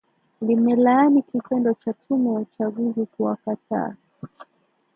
limelaani kitendo cha tume ya uchaguzi kuwakataa